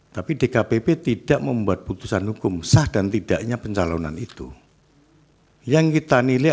tapi dkpp tidak membuat putusan hukum sah dan tidaknya pencalonan itu yang kita nilai